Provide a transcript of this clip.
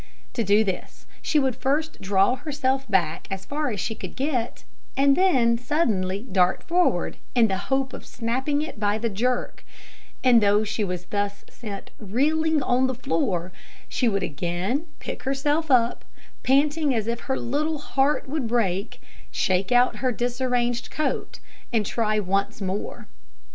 To do this, she would first draw herself back as far as she could get, and then suddenly dart forward, in the hope of snapping it by the jerk; and though she was thus sent reeling on the floor, she would again pick herself up, panting as if her little heart would break, shake out her disarranged coat, and try once more.